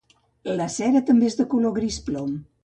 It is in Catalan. La cera també és de color gris plom.